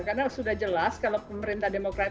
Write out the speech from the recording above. karena sudah jelas kalau pemerintah demokrat